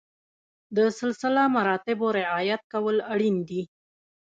د سلسله مراتبو رعایت کول اړین دي.